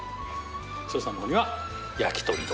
宍戸さんの方には焼鳥丼。